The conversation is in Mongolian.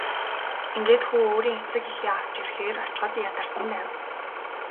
Ингээд хүү өөрийн эцэг эхээ авч ирэхээр очиход ядарсан байв.